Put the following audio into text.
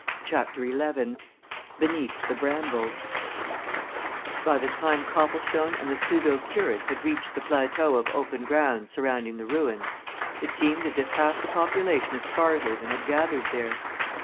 CHAPTER XI BENEATH THE BRAMBLES By the time Copplestone and the pseudo curate had reached the plateau of open ground surrounding the ruins it seemed as if half the population of Scarhaven had gathered there.